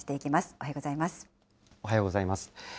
おはようおはようございます。